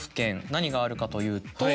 何があるかというと。